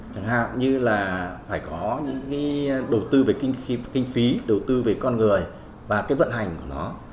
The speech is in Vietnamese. chẳng hạn như là phải có những cái đầu tư về kinh phí đầu tư về con người và cái vận hành của nó